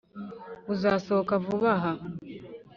buzasohoka vuba aha